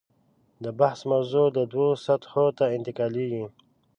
د بحث موضوع دوو سطحو ته انتقالېږي.